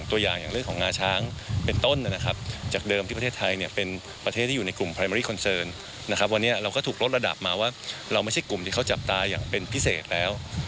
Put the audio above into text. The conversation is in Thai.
วันนี้เราก็ถูกลดระดับมาว่าเราไม่ใช่กลุ่มที่เขาจับตาอย่างเป็นพิเศษแล้ว